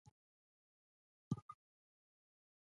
موږ د تېرې څلويښت کلنې فاجعې له تېرېدو وروسته.